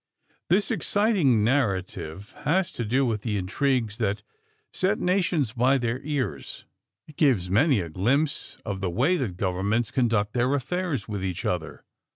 This exciting narrative has to do with the intrigues that set nations by the ears. It gives many a glimpse of the way that governments conduct their affairs with each other.